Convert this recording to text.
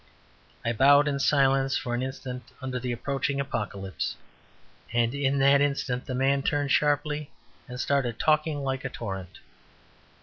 I bowed in silence for an instant under the approaching apocalypse; and in that instant the man turned sharply and started talking like a torrent.